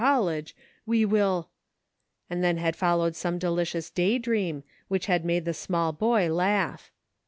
college, we will "— and then had followed some delicious day dream, which had made the small boy laugh.